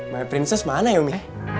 my princess mana ya umi